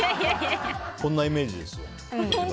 こんなイメージですよ。